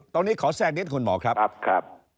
ตรงนี้ขอแทรกนิดคุณหมอครับ